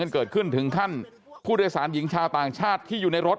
เกิดขึ้นถึงขั้นผู้โดยสารหญิงชาวต่างชาติที่อยู่ในรถ